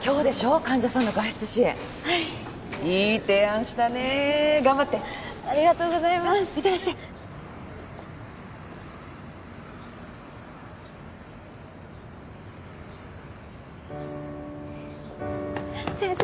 患者さんの外出支援はいいい提案したねえ頑張ってありがとうございます行ってらっしゃい先生